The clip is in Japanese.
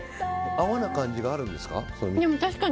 泡な感じがあるんですか？